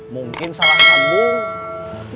mungkin salah sambung